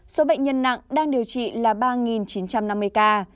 số bệnh nhân nặng đang điều trị là ba chín trăm năm mươi ca